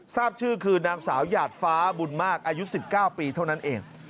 ทราบชื่อคือนางสาวหยาดฟ้าบุญมากอายุ๑๙ปีเท่านั้นเอง